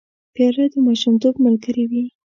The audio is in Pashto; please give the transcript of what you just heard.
پیاله د ماشومتوب ملګرې وي.